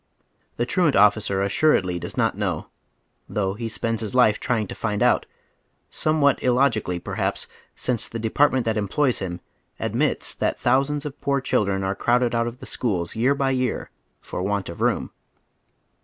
The truant officer assuredly does not know, though lie spends liis life trying to find out, somewhat illogically, perhaps, since the department that employs him admits that thousands of poor children are crowded out of the schools year by year for want of room.